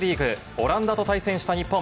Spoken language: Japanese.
オランダと対戦した日本。